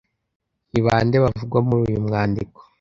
ni ba nde bavugwa muri uyu mwandiko?